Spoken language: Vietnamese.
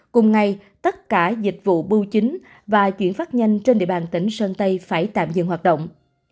cùng ngày tất cả dịch vụ bưu chính và chuyển phát nhanh trên địa bàn tỉnh sơn tây phải tạm dừng hoạt động